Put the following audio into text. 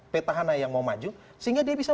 petahana yang mau maju sehingga dia bisa